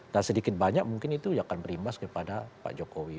dan sedikit banyak mungkin itu yang akan berimbas kepada pak jokowi